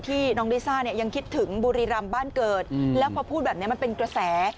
น้องลิซ่าเนี่ยยังคิดถึงบุรีรำบ้านเกิดแล้วพอพูดแบบนี้มันเป็นกระแส